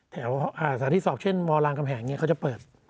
แถวสถานที่สอบเช่นมรางกำแหงเขาจะเปิด